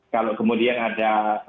kalau kemudian ada